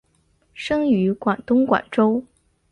生于广东广州。